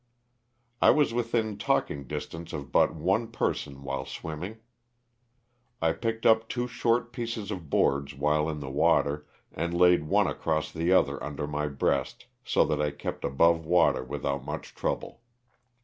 I was within talking distance of but one person while swimming. I picked up two short pieces of boards while in the water, and laid one across the other under my breast, so that I kept above water without much trouble.